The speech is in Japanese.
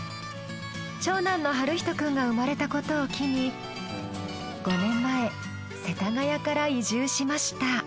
長男の晴仁くんが生まれたことを機に５年前世田谷から移住しました。